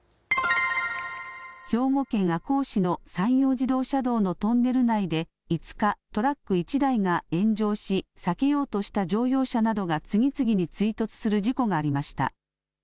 兵庫県赤穂市の山陽自動車道のトンネル内で５日、トラック１台が炎上し避けようとした乗用車などが次々に追突する事故がありました。